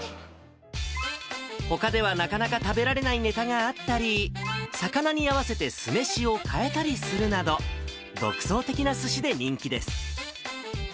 ほかではなかなか食べられないネタがあったり、魚に合わせて酢飯を変えたりするなど、独創的なすしで人気です。